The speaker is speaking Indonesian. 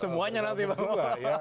semuanya nanti pak